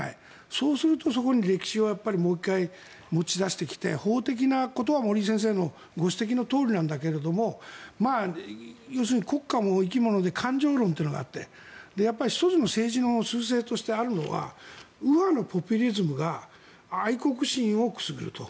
そうすると、そこに歴史をもう１回持ち出してきて法的なことは、森井先生のご指摘のとおりなんだけど要するに国家も生き物で感情論というのがあって１つの政治のすう勢としてあるのは右派のポピュリズムが愛国心をくすぐると。